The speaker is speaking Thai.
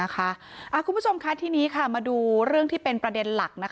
คุณผู้ชมค่ะทีนี้มาดูเรื่องที่เป็นประเด็นหลัก